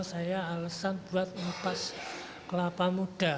saya alesan buat lepas kelapa muda